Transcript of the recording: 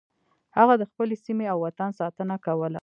هغه د خپلې سیمې او وطن ساتنه کوله.